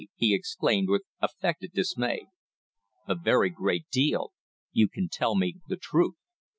he exclaimed with affected dismay. "A very great deal. You can tell me the truth."